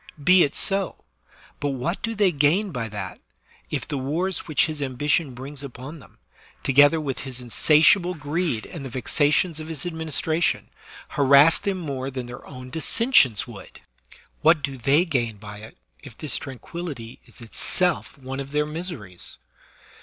Be it so; but what do they gain by that, if the wars which his ambition brings upon them, together with his insatiable greed and the vexations of his ad ministration, harass them more than their own dissen sions would ? What do they gain by it if this tranquillity is itself one of their miseries